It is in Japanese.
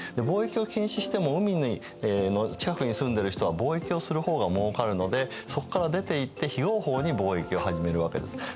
貿易を禁止しても海の近くに住んでいる人は貿易をする方がもうかるのでそこから出ていって非合法に貿易を始めるわけです。